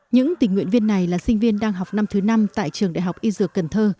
những tình nguyện viên này là sinh viên đang học năm thứ năm tại trường đại học y dược cần thơ